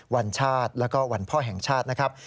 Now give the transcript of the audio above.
วันชาติแล้วก็วันพ่อแห่งชาตินะครับ